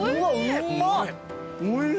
おいしい。